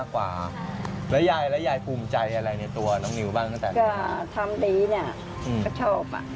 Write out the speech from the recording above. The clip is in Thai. ก็ทำดีเนี่ยก็ชอบ